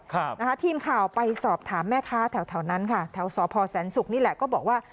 ครับนะคะทีมข่าวไปสอบถามแม่ค้าแถวแถวนั้นค่ะแถวสพแสนศุกร์นี่แหละก็บอกว่า